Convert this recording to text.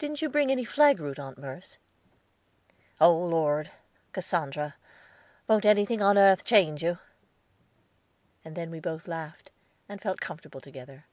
"Didn't you bring any flag root, Aunt Merce?" "Oh Lord, Cassandra, won't anything upon earth change you?" And then we both laughed, and felt comfortable together.